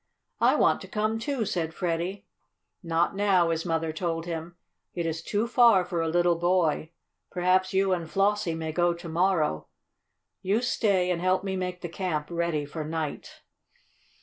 "I want to come, too," said Freddie. "Not now," his mother told him. "It is too far for a little boy. Perhaps you and Flossie may go to morrow. You stay and help me make the camp ready for night."